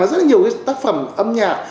rất nhiều cái tác phẩm âm nhạc